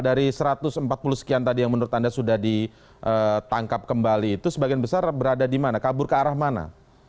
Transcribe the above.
dari satu ratus empat puluh sekian tadi yang menurut anda sudah ditangkap kembali itu sebagian besar berada di mana kabur ke arah mana